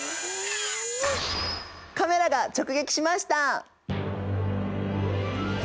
カメラが直撃しました！